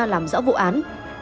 làm rõ vụ án